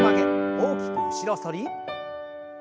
大きく後ろ反り。